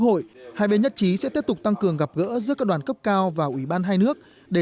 hội hai bên nhất trí sẽ tiếp tục tăng cường gặp gỡ giữa các đoàn cấp cao và ủy ban hai nước để